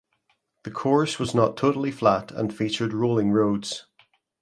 The course was not totally flat and featured rolling roads.